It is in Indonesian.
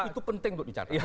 itu penting untuk dicatat